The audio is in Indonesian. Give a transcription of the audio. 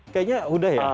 kayaknya udah ya